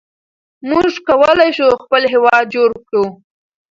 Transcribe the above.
موږ کولای شو خپل هېواد جوړ کړو.